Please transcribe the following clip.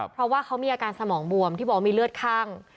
เพราะว่าเขามีอาการสมองบวมที่บอกว่ามีเลือดข้าง